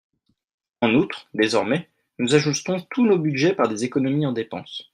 En outre, désormais, nous ajustons tous nos budgets par des économies en dépenses.